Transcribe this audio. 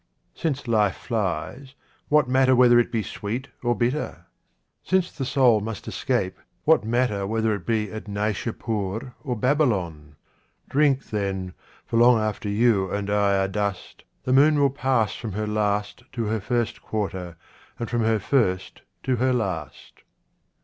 Since life flies, what matter whether it be sweet or bitter ? Since the soul must escape, what matter whether it be at Naishapur or Babylon ? Drink, then, for long after you and I are dust, the moon will pass from her last to her first quarter, and from her first to her last.